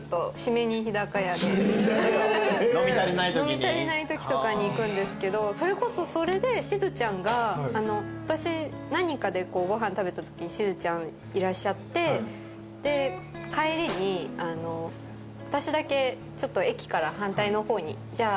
飲み足りないときとかに行くんですけどそれこそそれでしずちゃんが私何人かでご飯食べたときにしずちゃんいらっしゃってで帰りに私だけ駅から反対の方にじゃあ